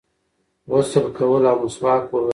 غسل کول او مسواک وهل